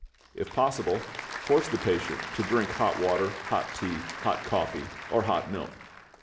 If possible, force the patient to drink hot water, hot tea, hot coffee, or hot milk.